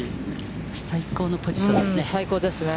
最高のポジションですね。